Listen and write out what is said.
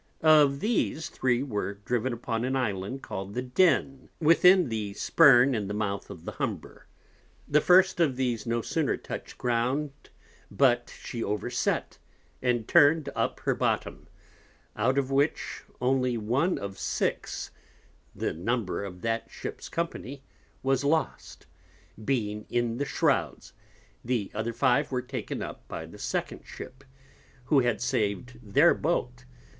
Of these, three were driven upon an Island call'd the Den, within the Spurn in the Mouth of the Humber. The first of these no sooner touch'd Ground, but she over set, and turn'd up her Bottom; out of which, only one of six (the Number of that Ship's Company) was lost, being in the Shrowds: the other five were taken up by the second Ship, who had sav'd their Boat.